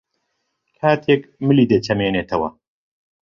کاتێک ملی دەچەمێنێتەوە